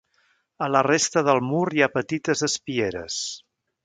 A la resta del mur hi ha petites espieres.